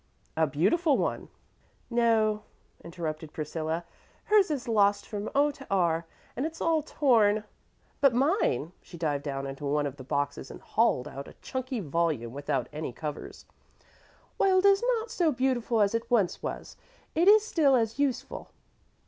"A beautiful one," said Patty. "No," interrupted Priscilla; "hers is lost from O to R, and it's all torn; but mine," she dived down into one of the boxes and hauled out a chunky volume without any covers, "while it is not so beautiful as it was once, it is still as useful."